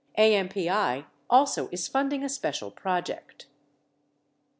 AMPI also is funding a special project.